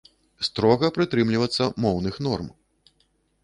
Строга прытрымлівацца моўных норм.